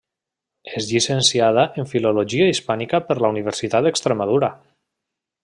És llicenciada en filologia hispànica per la Universitat d'Extremadura.